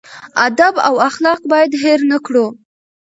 ادب او اخلاق باید هېر نه کړو.